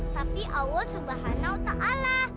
tapi allah subhanahu wa ta'ala